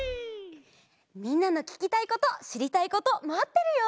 みんなのききたいことしりたいことまってるよ！